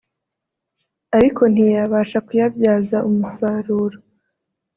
ariko ntiyabasha kuyabyaza umusaruro